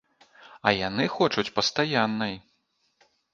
А яны хочуць пастаяннай.